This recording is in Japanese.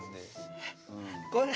これ。